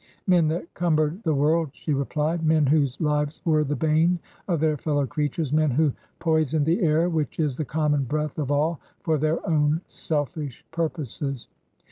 'Men that cumbered the world,' she replied. 'Men whose lives were the bane of their fellow creatures. Men who poisoned the air, which is the common breath of all, for their own selfish purposes.'